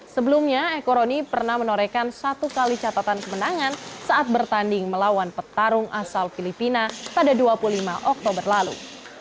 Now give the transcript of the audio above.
sebelumnya ekoroni pernah menorekan satu kali catatan kemenangan saat bertanding melawan petarung asal filipina pada dua puluh lima oktober lalu